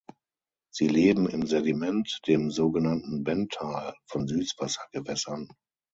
Sie leben im Sediment, dem sogenannten Benthal, von Süßwasser-Gewässern.